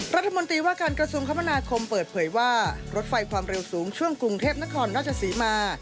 รัฐมนตรีว่าการกระทรวงคมนาคมเปิดเผยว่ารถไฟความเร็วสูงช่วงกรุงเทพนครราชศรีมา